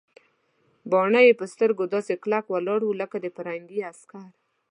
باڼه یې پر سترګو داسې کلک ولاړ ول لکه د پرنګي عسکر.